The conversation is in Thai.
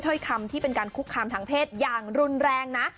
ถ้อยคำที่เป็นการคุกคามทางเพศอย่างรุนแรงนะ